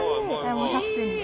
もう１００点です。